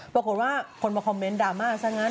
ปรากฏว่าคนมาคอมเมนต์ดราม่าซะงั้น